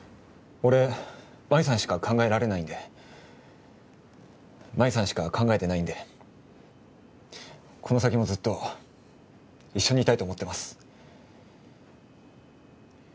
俺麻衣さんしか考えられないんで麻衣さんしか考えてないんでこの先もずっと一緒にいたいと思ってます